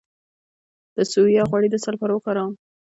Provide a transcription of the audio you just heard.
د سویا غوړي د څه لپاره وکاروم؟